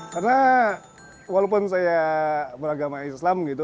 karena walaupun saya beragama islam gitu